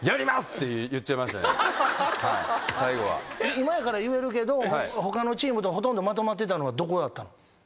今やから言えるけど他のチームとほとんどまとまってたのはどこだったの？